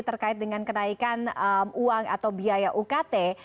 terkait dengan kenaikan uang atau biaya ukt